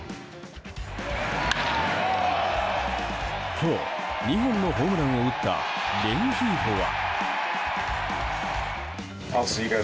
今日、２本のホームランを打ったレンヒーフォは。